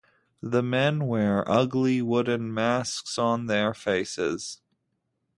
The men wear ugly wooden masks on their faces.